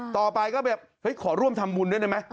ต่อไปก็แบบเฮ้ยขอร่วมทำบุญด้วยได้ไหม